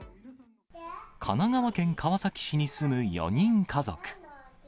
神奈川県川崎市に住む４人家族。